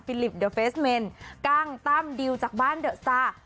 ฟิลิปเดอะเฟสเมนก้างตั้มดิวจากบ้านเดอะสตาร์